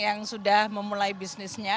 yang sudah memulai bisnisnya